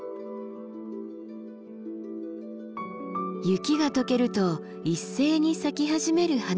雪が解けると一斉に咲き始める花々。